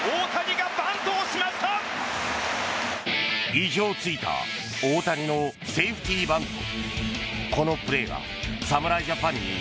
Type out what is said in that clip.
意表を突いた大谷のセーフティーバント。